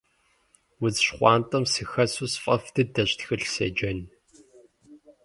Удз щхъуантӏэм сыхэсу сфӏэфӏ дыдэщ тхылъ седжэн.